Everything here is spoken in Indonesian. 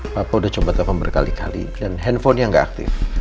papa udah coba telfon berkali kali dan handphone nya gak aktif